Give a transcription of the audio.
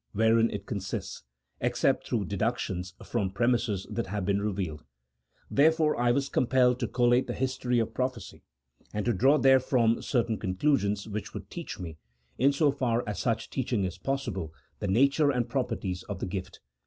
wherein it consists, except through deductions from pre mises that have been revealed ; therefore I was compelled to collate the history of prophecy, and to draw therefrom certain conclusions which would teach me, in so far as such teaching is possible, the nature and properties of the gift.